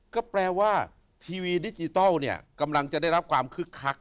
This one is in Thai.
ก็แปลว่าทีวีดิจิทัลเนี่ยกำลังจะได้รับความคึกคัก